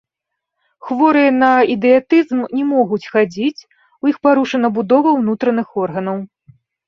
Хворыя на ідыятызм не могуць хадзіць, у іх парушана будова ўнутраных органаў.